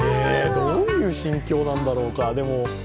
どういう心境なんだろうか。